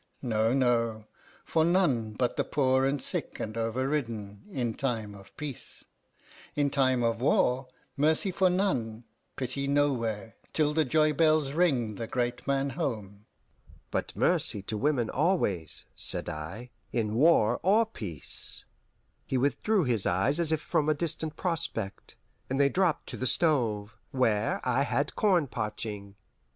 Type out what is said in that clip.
No, no: for none but the poor and sick and overridden, in time of peace; in time of war, mercy for none, pity nowhere, till the joybells ring the great man home." "But mercy to women always," said I, "in war or peace." He withdrew his eyes as if from a distant prospect, and they dropped to the stove, where I had corn parching.